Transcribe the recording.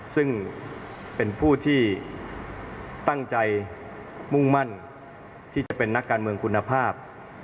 ซึ่งเป็นผู้ที่ตั้งใจมุ่งมั่นที่จะเป็นนักการเมืองคุณภาพ